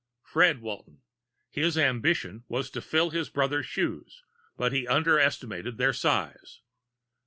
FRED WALTON His ambition was to fill his brother's shoes but he underestimated their size.